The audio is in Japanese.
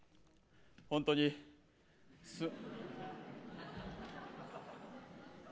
本当に、すま。